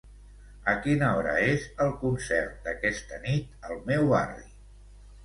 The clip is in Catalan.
A quina hora és el concert d'aquesta nit al meu barri?